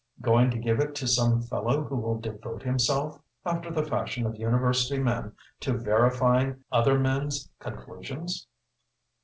Going to give it to some fellow who will devote himself, after the fashion of university men, to verifying other men's conclusions?"